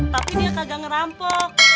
tapi dia kagak ngerampok